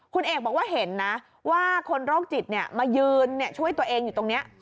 คุณเอกบอกว่าเห็นนะว่าคนโรคจิตมายืนช่วยตัวเองอยู่ตรงนี้